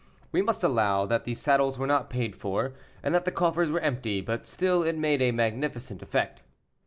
We must allow that the saddles were not paid for, and that the coffers were empty, but still it made a magnificent effect.